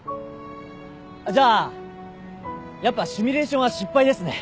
あっじゃあやっぱシミュレーションは失敗ですね。